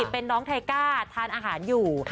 เป็นน้องไทก้าทานอาหารอยู่